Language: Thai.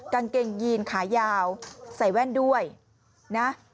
กางเกงยีนขายาวใส่แว่นด้วยนะ